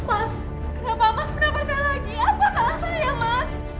mas kenapa mas pernah bersih lagi apa salah saya mas